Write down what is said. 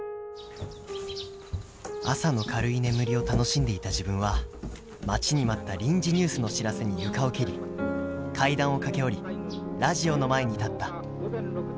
「朝の軽い眠りを楽しんでいた自分は待ちに待った臨時ニュースの知らせに床を蹴り階段を駆け下りラジオの前に立った。